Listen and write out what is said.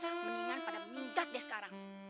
mendingan pada mindat deh sekarang